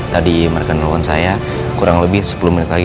tadi mereka nelfon saya kurang lebih sepuluh menit lagi